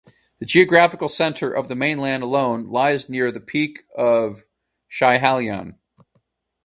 The geographical centre of the mainland alone lies near the peak of Schiehallion.